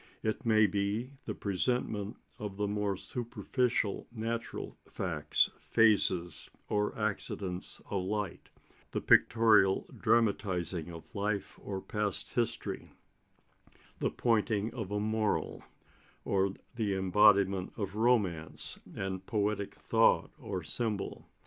It may be the presentment of the more superficial natural facts, phases, or accidents of light; the pictorial dramatising of life or past history; the pointing of a moral; or the embodiment of romance and poetic thought or symbol.